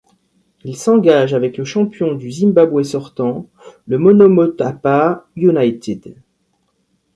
Il s'engage avec le champion du Zimbabwe sortant, le Monomotapa United.